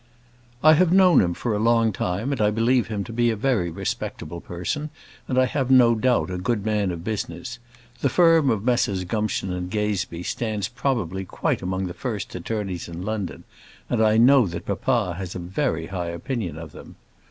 ] I have known him for a long time, and I believe him to be a very respectable person, and I have no doubt a good man of business. The firm of Messrs Gumption & Gazebee stands probably quite among the first attorneys in London, and I know that papa has a very high opinion of them.